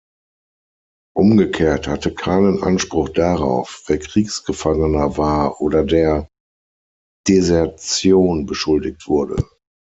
Umgekehrt hatte keinen Anspruch darauf, wer Kriegsgefangener war oder der Desertion beschuldigt wurde.